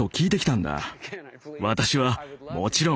私はもちろん。